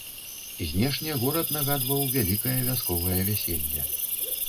Знешне горад нагадваў вялікае вясковае вяселле.